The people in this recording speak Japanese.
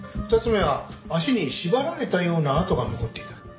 ２つ目は足に縛られたような痕が残っていた。